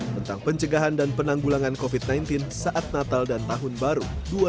tentang pencegahan dan penanggulangan covid sembilan belas saat natal dan tahun baru dua ribu dua puluh